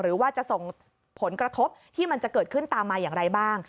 หรือว่าจะส่งผลกระทบที่มันจะเกิดขึ้นตามมาอย่างไรบ้าง